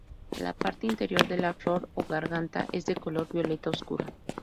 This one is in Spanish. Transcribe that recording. La parte interior de la flor o garganta es de color violeta oscuro.